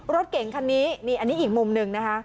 รถเก่งคันนี้นี่อันนี้อีกมุมหนึ่งนะคะ